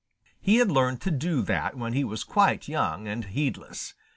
He had learned to do that when he was quite young and heedless.